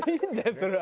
それは。